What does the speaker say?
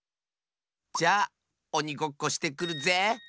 じゃおにごっこしてくるぜ！